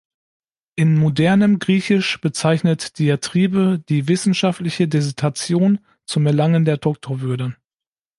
In modernem Griechisch bezeichnet "diatribe" die wissenschaftliche Dissertation zum Erlangen der Doktorwürde.